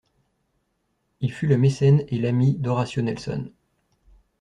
Il fut le mécène et l'ami d'Horatio Nelson.